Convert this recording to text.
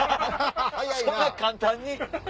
そんな簡単に？